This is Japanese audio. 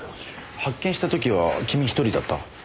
発見した時は君１人だった？